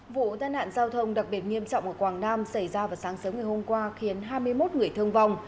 vụ tai nạn giao thông đặc biệt nghiêm trọng ở quảng nam xảy ra vào sáng sớm ngày hôm qua khiến hai mươi một người thương vong